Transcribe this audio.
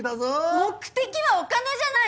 目的はお金じゃない！